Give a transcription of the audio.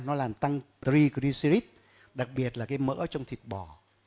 nó làm tăng regricyrid đặc biệt là cái mỡ trong thịt bò